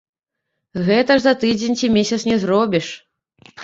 Гэта ж за тыдзень ці месяц не зробіш.